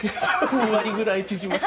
２割ぐらい縮まる。